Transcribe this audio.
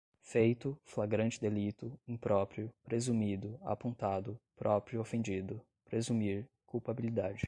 feito, flagrante delito, impróprio, presumido, apontado, próprio ofendido, presumir, culpabilidade